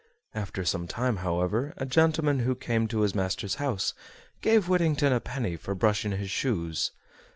After some time, however, a gentleman who came to his master's house gave Whittington a penny for brushing his shoes.